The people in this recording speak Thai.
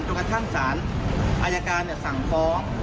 จนกระทั่งศาลอายการเนี่ยสั่งฟ้อง